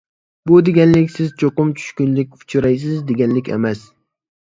بۇ دېگەنلىك سىز چوقۇم چۈشكۈنلۈككە ئۇچرايسىز، دېگەنلىك ئەمەس.